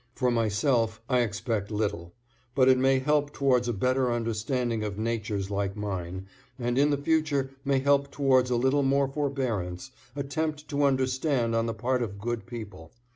For myself I expect little, but it may help towards a better understanding of natures like mine, and in the future may help towards a little more forbearance, attempt to understand on the part of good people.